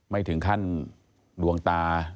ไม่ถึงขั้นดวงตา